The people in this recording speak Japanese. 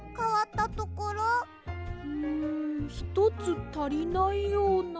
ん１つたりないような。